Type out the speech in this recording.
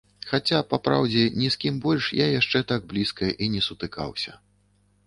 Хаця, па праўдзе, ні з кім больш я яшчэ так блізка і не сутыкаўся.